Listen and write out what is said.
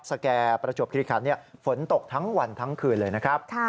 สแก่ประจวบคิริคันฝนตกทั้งวันทั้งคืนเลยนะครับ